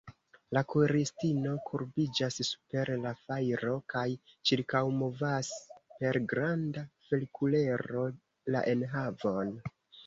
La kuiristino kurbiĝas super la fajro, kaj ĉirkaŭmovas per granda ferkulero la enhavon.